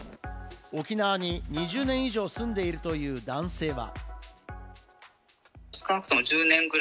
沖縄に２０年以上住んでいるという男性は。